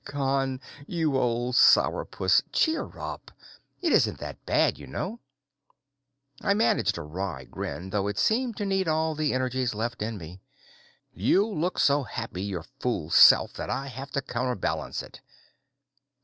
"Con, you old sourpuss, cheer up! It isn't that bad, you know!" I managed a wry grin, though it seemed to need all the energies left in me. "You look so happy your fool self that I have to counter balance it."